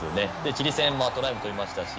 チリ戦トライも取りましたし